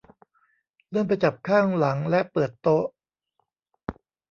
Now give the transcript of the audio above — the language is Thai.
เลื่อนไปจับข้างหลังและเปิดโต๊ะ